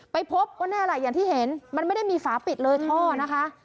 ไปพบว่านี่แหละอย่างที่เห็นมันไม่ได้มีฝาปิดเลยท่อนะคะ